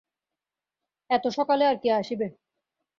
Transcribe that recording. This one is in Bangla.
এত সকালে আর কে আসিবে?